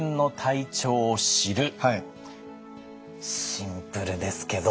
シンプルですけど。